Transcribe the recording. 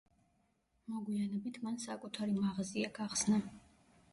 მოგვიანებით მან საკუთარი მაღაზია გახსნა.